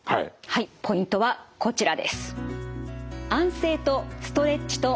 ポイントはこちらです。